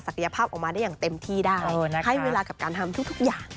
ภาพออกมาได้อย่างเต็มที่ได้ให้เวลากับการทำทุกอย่าง